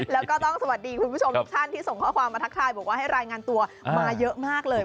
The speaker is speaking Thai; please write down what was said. แล้วก็ต้องสวัสดีคุณผู้ชมทุกท่านที่ส่งข้อความมาทักทายบอกว่าให้รายงานตัวมาเยอะมากเลย